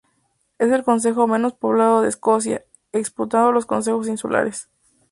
Es el concejo menos poblado de Escocia, exceptuando los concejos insulares.